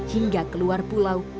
hingga ke luar pulau